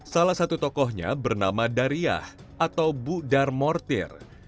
salah satu tokohnya bernama dariyah atau bu dar mortir